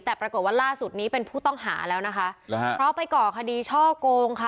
แต่ปรากฏว่าล่าสุดนี้เป็นผู้ต้องหาแล้วนะคะหรือฮะเพราะไปก่อคดีช่อโกงค่ะ